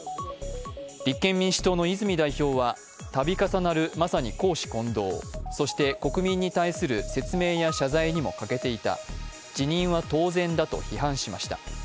立憲民主党の泉代表はたび重なるまさに公私混同、そして国民に対する説明や謝罪にも欠けていた、辞任は当然だと批判しました。